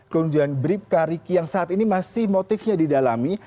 kemudian bribka riki yang saat ini masih motifnya didalami